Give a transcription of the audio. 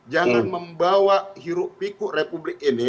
jangan membawa hirup piku republik ini